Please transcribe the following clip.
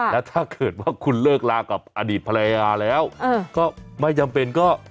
แล้วถ้าเกิดว่าคุณเลิกลากับอดีตภรรยาแล้วก็ไม่จำเป็นก็